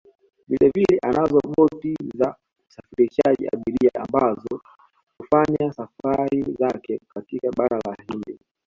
Vilevile anazo boti za usafirishaji abiria ambazo hufanya safari zake katika Bahari ya Hindi